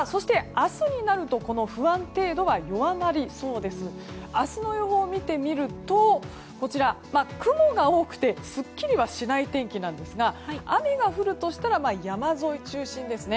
明日の予報を見てみると雲が多くてすっきりはしない天気なんですが雨が降るとしたら山沿い中心ですね。